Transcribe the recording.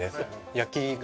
焼きが・